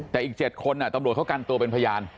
แต่อีก๗คนตำรวจเขากันตัวเป็นพยาน